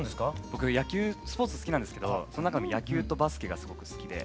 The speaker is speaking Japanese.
僕スポーツ好きなんですけどその中でも野球とバスケがすごく好きで。